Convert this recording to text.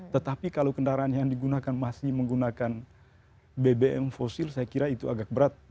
tetapi kalau kendaraan yang digunakan masih menggunakan bbm fosil saya kira itu agak berat